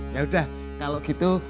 ya udah kalau gitu